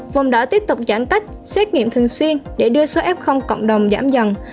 vòng đỏ tiếp tục giãn cách xét nghiệm thường xuyên để đưa số f cộng đồng giảm dần